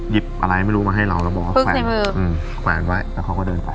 หยิบอะไรไม่รู้มาให้เราแล้วบอกว่าฟึกในมืออืมแขวนไว้แล้วเขาก็เดินไป